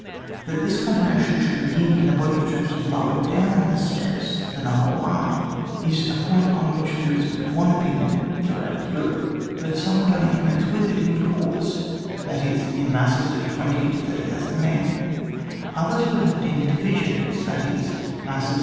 That this combination shoidd begin in a body of troops lower down the steps than a whole ai'my, is a point on which there is but one opinion throughout Europe. But some would only commence witli it in corps, that is, masses of 20,000 to 30,000 men Others would havo it in Oir TEE ORGANIC DIVISION OF ARMFL FORCES.